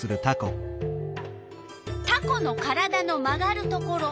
タコの体の曲がるところ。